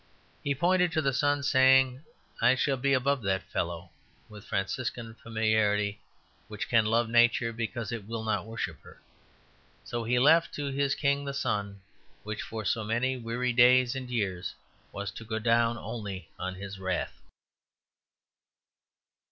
He pointed to the sun, saying "I shall be above that fellow" with Franciscan familiarity, which can love nature because it will not worship her. So he left to his king the sun, which for so many weary days and years was to go down only on his wrath.